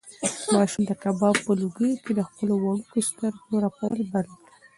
ماشوم د کباب په لوګیو کې د خپلو وړوکو سترګو رپول بند کړل.